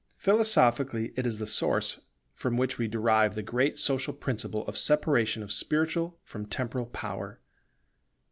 Philosophically it is the source from which we derive the great social principle of separation of spiritual from temporal power.